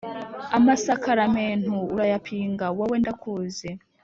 amasakaramentu urayapinga wowe ndakuzi